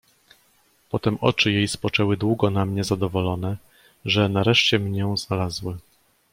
"Potem oczy jej spoczęły długo na mnie zadowolone, że nareszcie mnię znalazły."